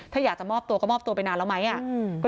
ถ้าอยากจะมอบตัวก็มอบตัวไปนานแล้วไหม